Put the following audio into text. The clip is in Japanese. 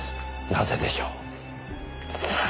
なぜでしょう？さあ。